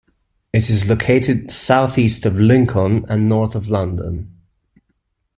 It is located south east of Lincoln and north of London.